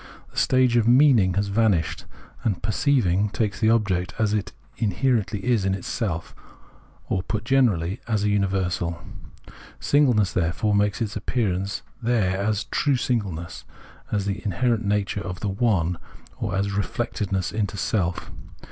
The stage of " meaning " has vanished, and perceiving takes the object as it inherently is in itself, or, put generally, as a universal. Singleness, therefore, makes its appear ance there as true singleness, as the inherent nature of the " one," or as reflectedness into self.